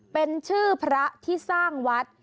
เป็นชื่อพระที่สร้างวัด